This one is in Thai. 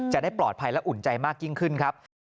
จะได้ปลอดภัยและอุ่นใจมากยิ่งขึ้นครับ